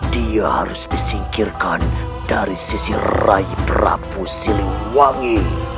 dia harus disingkirkan dari sisi raih berapu silih wangi